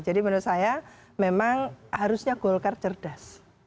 jadi menurut saya memang harusnya golkar cerdas